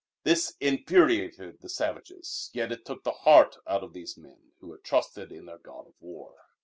This infuriated the savages, yet it took the heart out of these men who had trusted in their god of war.